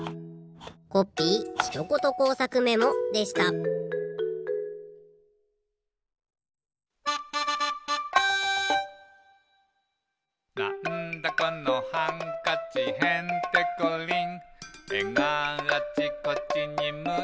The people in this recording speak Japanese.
コッピーひとこと工作メモでした「なんだこのハンカチへんてこりん」「えがあちこちにむいている」